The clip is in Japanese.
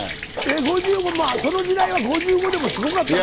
その時代は５５でもすごかったのよ。